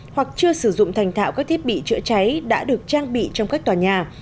hoặc chưa sử dụng thành thạo các thiết bị chữa cháy đã được trang bị trong các tòa nhà